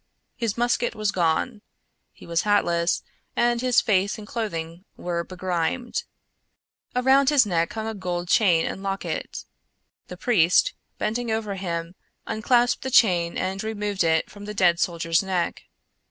His musket was gone; he was hatless and his face and clothing were begrimed. Around his neck hung a gold chain and locket. The priest, bending over him, unclasped the chain and removed it from the dead soldier's neck.